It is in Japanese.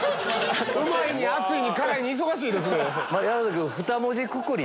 うまいに熱いに辛いに忙しいですね。